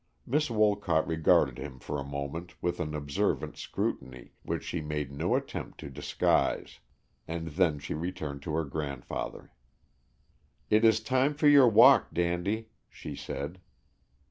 Miss Wolcott regarded him for a moment with an observant scrutiny which she made no attempt to disguise, and then she turned to her grandfather. "It is time for your walk, Dandy," she said.